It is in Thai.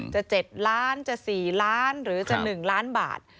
จะ๗ล้านจะ๔ล้านหรือจะ๑ล้านบาท